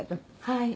はい。